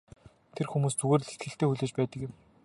Тэр хүмүүс зүгээр л итгэлтэй хүлээж байдаг юм.